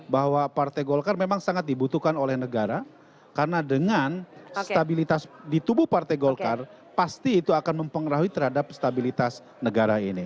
karena partai golkar memang sangat dibutuhkan oleh negara karena dengan stabilitas di tubuh partai golkar pasti itu akan mempengaruhi terhadap stabilitas negara ini